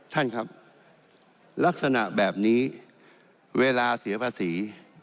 ท่านครับลักษณะแบบนี้เวลาเสียภาษี